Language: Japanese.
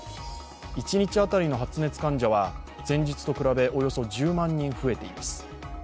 一日当たりの発熱患者は前日と比べ、およそ１０万人増えています。